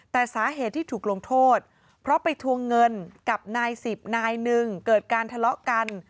แต่สาเหตุที่ถูกลงโทษเพราะไปทวงเงินกับนายสิบนายหนึ่งเกิดการทะเลาะกัน